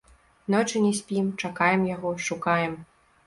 Ночы не спім, чакаем яго, шукаем.